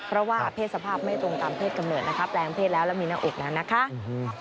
เพราะว่าเพศสภาพไม่ตรงตามเพศกำเนิดนะคะแปลงเพศแล้วแล้วมีหน้าอกแล้วนะคะ